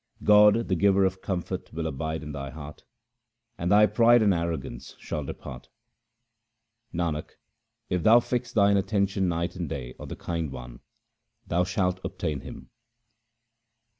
God, the giver of comfort, will abide in thy heart, and thy pride and arrogance shall depart. Nanak, if thou fix thine attention night and day on the Kind One, thou shalt obtain Him.